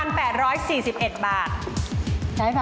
น้อยไปแล้ว